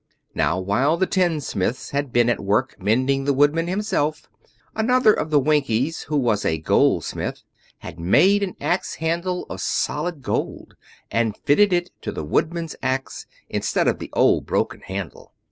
Now while the tinsmiths had been at work mending the Woodman himself, another of the Winkies, who was a goldsmith, had made an axe handle of solid gold and fitted it to the Woodman's axe, instead of the old broken handle.